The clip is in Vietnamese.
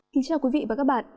xin chào quý vị và các bạn